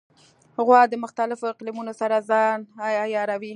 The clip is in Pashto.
غوا د مختلفو اقلیمونو سره ځان عیاروي.